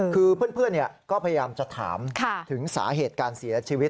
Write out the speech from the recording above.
คือเพื่อนก็พยายามจะถามถึงสาเหตุการเสียชีวิต